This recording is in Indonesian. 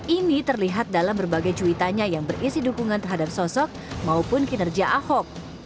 ini terlihat dalam berbagai cuitanya yang berisi dukungan terhadap sosok maupun kinerja ahok